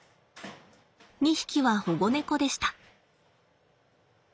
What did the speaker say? ２匹は保護猫でした。